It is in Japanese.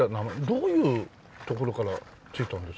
どういうところから付いたんです？